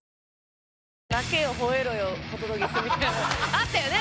あったよね？